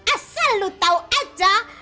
asal lu tau aja